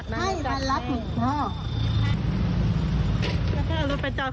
หน้าเข้ามาใช่ไหม